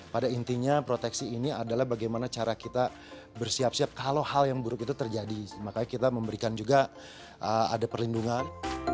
pada intinya proteksi ini adalah bagaimana cara kita bersiap siap kalau hal yang buruk itu terjadi makanya kita memberikan juga ada perlindungan